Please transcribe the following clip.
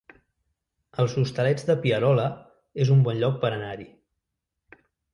Els Hostalets de Pierola es un bon lloc per anar-hi